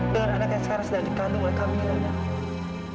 dengan anak yang sekarang sedang dikandung oleh kamila nak